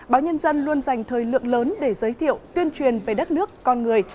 báo nhân dân luôn dành thời lượng lớn để giới thiệu tuyên truyền về đất nước con người